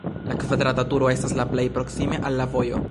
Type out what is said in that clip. La kvadrata turo estas la plej proksime al la vojo.